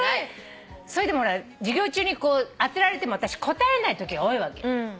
それでもほら授業中に当てられても私答えられないときが多いわけ。